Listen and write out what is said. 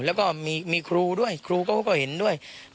แล้วก็มีครูด้วยครูเขาก็เห็นด้วย